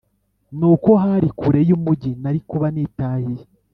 n’uko hari kure y’umugi narikuba nitahiye